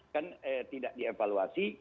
kan tidak dievaluasi